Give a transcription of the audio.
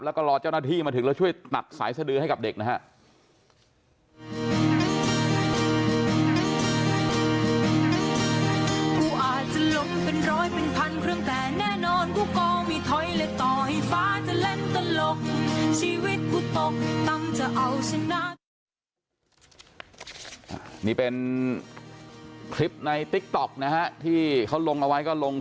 แล้วก็รอเจ้าหน้าที่มาถึงแล้วช่วยตัดสายสดือให้กับเด็กนะฮะ